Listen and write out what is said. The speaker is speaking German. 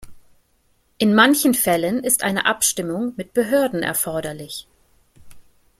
In manchen Fällen ist eine Abstimmung mit Behörden erforderlich.